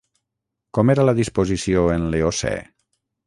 Com era la disposició en l'Eocè?